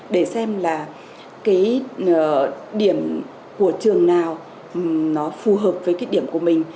để xem là cái điểm của trường nào nó phù hợp với cái điểm của mình